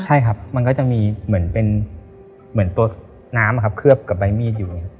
ใช่ครับมันก็จะมีเหมือนเป็นตัวน้ำครับเคลือบกับใบมีดอยู่